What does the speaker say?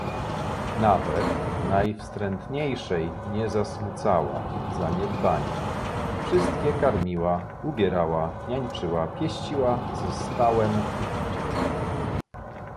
"Nawet najwstrętniejszej nie zasmucała zaniedbaniem; wszystkie karmiła, ubierała, niańczyła, pieściła, ze stałem uczuciem."